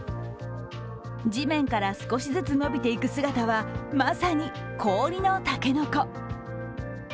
地面から少しずつ伸びていく様子は、まさに氷の竹の子。